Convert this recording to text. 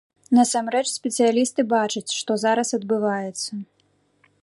Насамрэч спецыялісты бачаць, што зараз адбываецца.